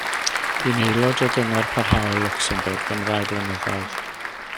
Bu'n aelod o Gyngor Parhaol Lwcsembwrg am rai blynyddoedd.